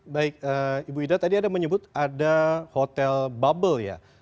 baik ibu ida tadi ada menyebut ada hotel bubble ya